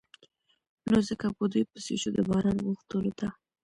نو ځکه په دوی پسې شو د باران غوښتلو ته.